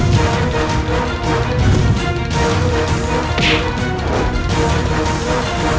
sampai kedua kali saja